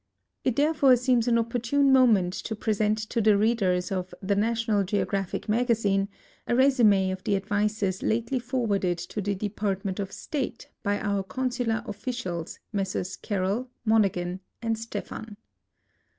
It therefore seems an opportune moment to present to tiie readers of The National Geographic Ma(;azi.\e a resum^ of the advices lately forwarded to the Dej)artment of State by our consular officials, Messrs Karel, Monaghan, and Steplian.